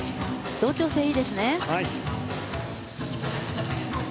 同調性いいですね。